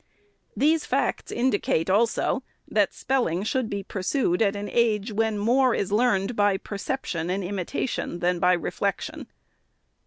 These facts indicate also, that spell ing should be pursued at an age when more is learned by perception and imitation than by reflection.